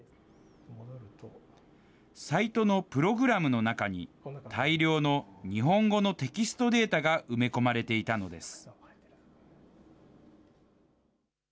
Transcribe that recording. サイトのプログラムの中に、大量の日本語のテキストデータが埋め込まれていたのです。